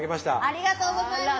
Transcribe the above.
ありがとうございます。